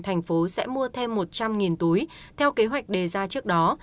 tp hcm sẽ mua thêm một trăm linh túi theo kế hoạch đề ra trước đó